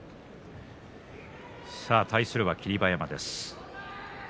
対するは霧馬山です。